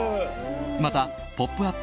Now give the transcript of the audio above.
また「ポップＵＰ！」